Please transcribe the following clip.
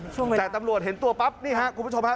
แต่ตำรวจเห็นตัวปั๊บนี่ฮะคุณผู้ชมฮะ